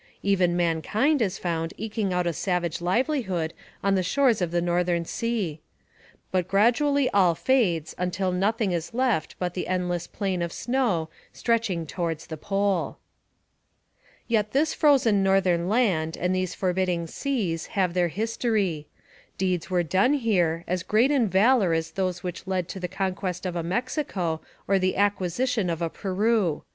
Even mankind is found eking out a savage livelihood on the shores of the northern sea. But gradually all fades, until nothing is left but the endless plain of snow, stretching towards the Pole. Yet this frozen northern land and these forbidding seas have their history. Deeds were here done as great in valour as those which led to the conquest of a Mexico or the acquisition of a Peru.